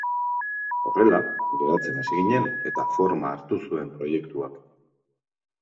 Horrela, geratzen hasi ginen eta forma hartu zuen proiektuak.